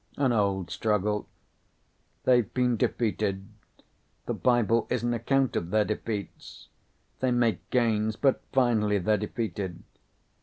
"An old struggle." "They've been defeated. The Bible is an account of their defeats. They make gains but finally they're defeated."